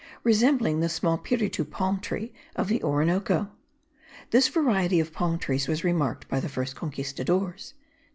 resembling the small piritu palm tree of the Orinoco. This variety of palm trees was remarked by the first Conquistadores.